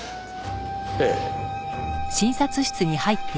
ええ。